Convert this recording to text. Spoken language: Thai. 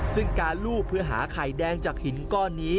ซึ่งการลูบเพื่อหาไข่แดงจากหินก้อนนี้